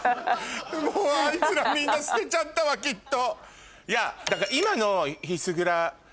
もうあいつらみんな捨てちゃったわきっと。